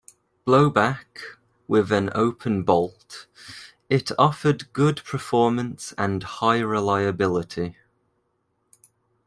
Blowback, with an open bolt, it offered good performance and high reliability.